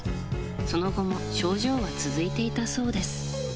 その後も症状は続いていたそうです。